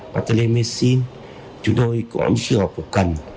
bà tên lê mê xin chúng tôi cũng có những trường hợp phục cần